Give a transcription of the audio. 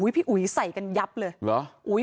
พี่อุ๋ยใส่กันยับเลย